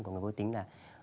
của người vô tính là